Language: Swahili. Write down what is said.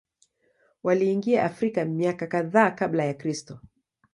Waliingia Afrika miaka kadhaa Kabla ya Kristo.